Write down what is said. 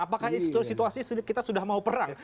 apakah situasi kita sudah mau perang